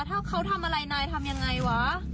ถ้าเขาทำอะไรนายทำยังไงวะ